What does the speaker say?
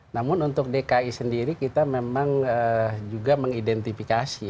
namun untuk dki sendiri kita memang juga mengidentifikasi